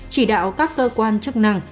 chỉ đạo các cơ quan chức năng